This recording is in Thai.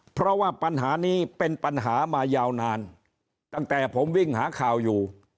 เพราะว่าปัญหานี้เป็นปัญหามายาวนานตั้งแต่ผมวิ่งหาข่าวอยู่